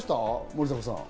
森迫さん。